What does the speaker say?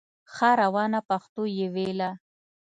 ښه روانه پښتو یې ویله